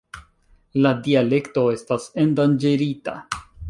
La dialekto estas endanĝerita.